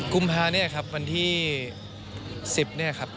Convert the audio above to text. กุมภาครับวันที่๑๐ครับ